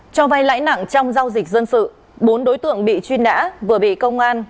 cho vai lãi nặng trong giao dịch dân sự bốn đối tượng bị chuyên đã vừa bị công an